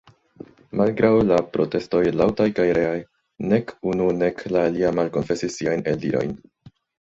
Malgraŭ la protestoj laŭtaj kaj reaj, nek unu nek la alia malkonfesis siajn eldirojn.